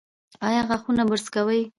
ایا غاښونه برس کوي؟